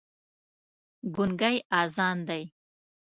ګونګی اذان دی